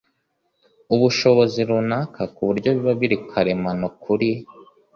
ubushobozi runaka ku buryo biba biri karemano kuri